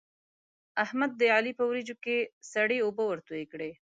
احمد د علي په وريجو کې سړې اوبه ورتوی کړې.